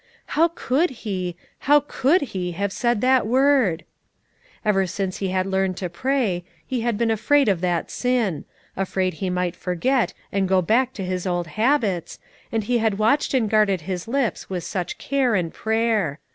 How could he, how could he have said that word? Ever since he had learned to pray, he had been afraid of that sin, afraid he might forget, and go back to his old habits, and he had watched and guarded his lips with such care and prayer.